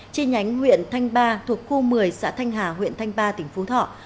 chi nhánh huyện thanh ba thuộc khu một mươi xã thanh hà huyện thanh ba tỉnh phú thọ